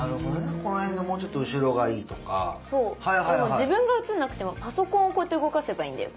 自分が移んなくてもパソコンをこうやって動かせばいいんだよ。